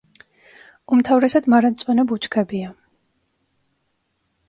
უმთავრესად მარადმწვანე ბუჩქებია.